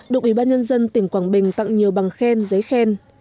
đồng ý ban nhân dân tỉnh quảng bình tặng nhiều bằng khen giấy khen